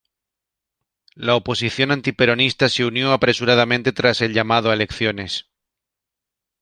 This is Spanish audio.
La oposición antiperonista se unió apresuradamente tras el llamado a elecciones.